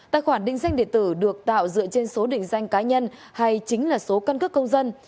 tài khoản định danh điện tử được tạo dựa trên số định danh cá nhân hay chính là số căn cước công dân